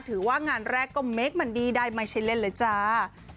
ถือว่างานแรกก็เมคมันดีได้มายเชลล์เลนส์เลยจ้า